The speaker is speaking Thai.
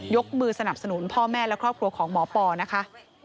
มือสนับสนุนพ่อแม่และครอบครัวของหมอปอนะคะ